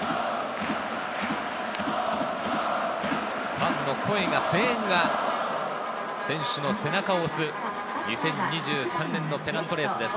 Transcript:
ファンの声が、声援が、選手の背中を押す２０２３年のペナントレースです。